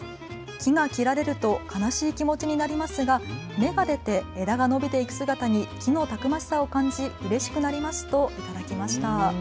木が切られると悲しい気持ちになりますが芽が出て、枝が伸びていく姿に木のたくましさを感じうれしくなりますといただきました。